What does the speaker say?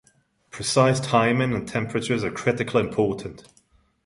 Precise timing and temperatures are critically important.